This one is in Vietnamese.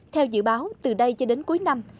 theo dự báo từ đây cho đến cuối năm